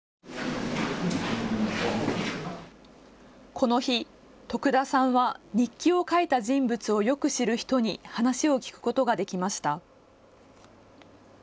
この日、徳田さんは日記を書いた人物をよく知る人に話を聞くことができました。